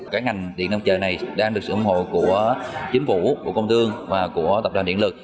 cái ngành điện mặt trời này đang được sự ủng hộ của chính phủ công tương và tập đoàn điện lực